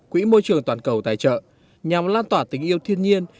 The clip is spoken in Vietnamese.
quỹ môi trường toàn cầu tài trợ nhằm lan tỏa tình yêu thiên nhiên